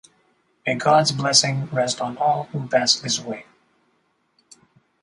May God's blessing rest on all who pass this way.